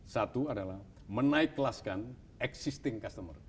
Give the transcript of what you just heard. satu adalah menaik kelaskan existing customer